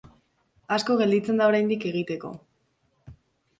Asko gelditzen da oraindik egiteko.